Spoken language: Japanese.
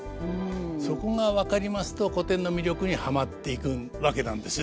そこが分かりますと古典の魅力にハマっていくわけなんです。